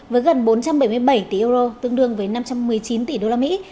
với gần bốn trăm bảy mươi bảy tỷ euro tương đương với năm trăm một mươi chín tỷ usd